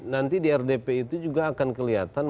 nanti di rdp itu juga akan kelihatan